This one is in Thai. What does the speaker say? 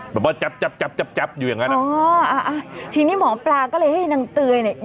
แบบว่าจับจับอยู่อย่างนั้นอ่ะอ๋ออ่าอ่ะทีนี้หมอปลาก็เลยให้นางเตยเนี่ย